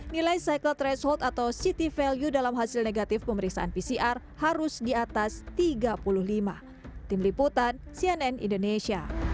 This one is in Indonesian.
nilai cycle threshold atau city value dalam hasil negatif pemeriksaan pcr harus di atas tiga puluh lima